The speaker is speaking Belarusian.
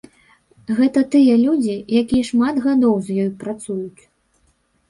Гэта тыя людзі, якія шмат гадоў з ёй працуюць.